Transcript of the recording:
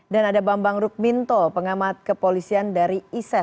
dan ada bambang rukminto pengamat kepolisian dari isis